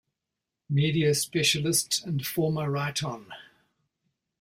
Media specialist and former "Right On!